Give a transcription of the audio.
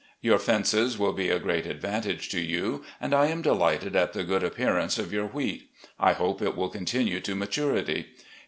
Your fences will be a great advantage to you, and I am delighted at the good appearance of your wheat. I hope it will continue to maturity.